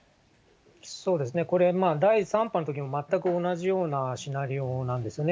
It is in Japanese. そうですね、これ、第３波のときと全く同じようなシナリオなんですね。